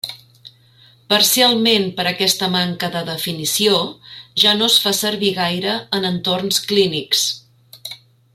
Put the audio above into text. Parcialment per aquesta manca de definició, ja no es fa servir gaire en entorns clínics.